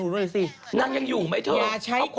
โอ้โอบีทำรักอยู่ที่ลุงอยู่ไหมอ่ะ